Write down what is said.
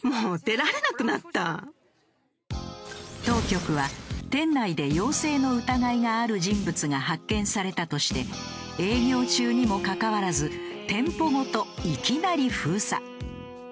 当局は店内で陽性の疑いがある人物が発見されたとして営業中にもかかわらず店舗ごといきなり封鎖。